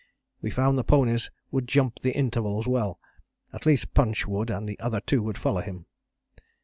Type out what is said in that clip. We found the ponies would jump the intervals well. At least Punch would and the other two would follow him.